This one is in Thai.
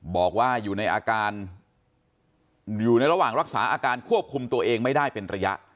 บอกว่าอยู่ในอาการอยู่ในระหว่างรักษาอาการควบคุมตัวเองไม่ได้เป็นระยะ